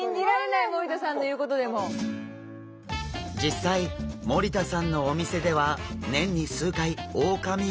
実際森田さんのお店では年に数回オオカミウオが入荷。